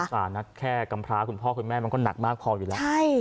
สาระแค่กำพร้าคุณพ่อคุณแม่มันก็หนักมากพออยู่แล้ว